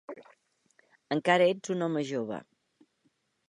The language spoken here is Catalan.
Encara ets un home jove.